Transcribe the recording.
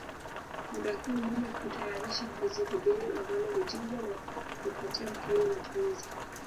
Muda huo mume hutayarisha mbuzi beberu ambalo huchinjwa na humpatia mkewe mchuzi